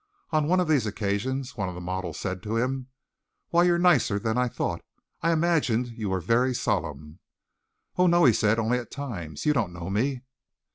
On one of these occasions one of the models said to him: "Why, you're nicer than I thought. I imagined you were very solemn." "Oh, no," he said, "only at times. You don't know me."